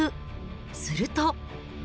すると。